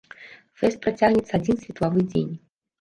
Фэст працягнецца адзін светлавы дзень.